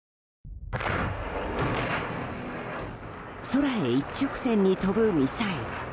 空へ一直線に飛ぶミサイル。